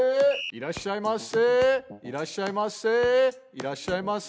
いらっしゃいませ！